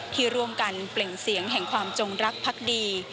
ที่ร่วมกันเปล่งเสียงแห่งความจงรักพักดี